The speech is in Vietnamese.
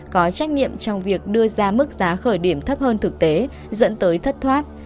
có trách nhiệm trong việc đưa ra mức giá khởi điểm thấp hơn thực tế dẫn tới thất thoát